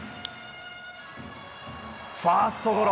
ファーストゴロ。